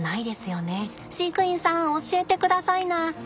飼育員さん教えてくださいな。